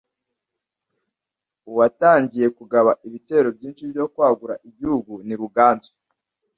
uwatangiye kugaba ibitero byinshi byo kwagura Igihugu ni ruganzu